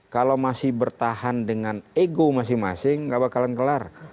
kalau masih bertahan dengan ego masing masing nggak bakalan kelar